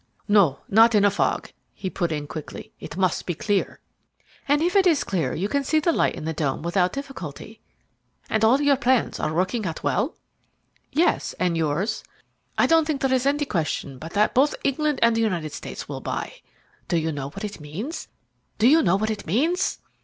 "No, not in a fog," he put in quickly. "It must be clear." "And if it is clear you can see the light in the dome without difficulty." "And all your plans are working out well?" "Yes. And yours?" "I don't think there is any question but that both England and the United States will buy. Do you know what it means? Do you know what it means?"